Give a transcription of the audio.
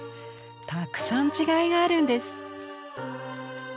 たくさん違いがあるんです。